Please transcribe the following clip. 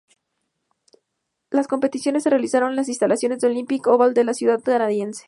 Las competiciones se realizaron en las instalaciones del Olympic Oval de la ciudad canadiense.